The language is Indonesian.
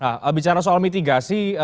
nah bicara soal mitigasi